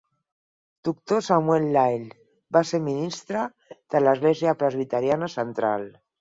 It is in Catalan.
Doctor Samuel Lyle va ser ministre de l'Església Presbiteriana Central.